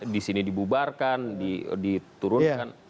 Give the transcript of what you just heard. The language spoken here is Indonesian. di sini dibubarkan diturunkan